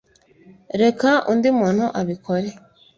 Reka undi muntu abikore